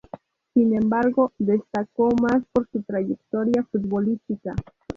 Sin embargo, destacó más por su trayectoria futbolística.